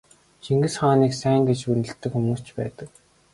Чингис хааныг сайн гэж үнэлдэг хүмүүс ч байдаг.